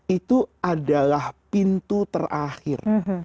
itu adalah pintu terakhir